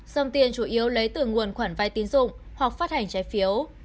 dòng tiền chủ yếu lấy từ nguồn khoản vai tiến dụng hoặc phát hành trái phiếu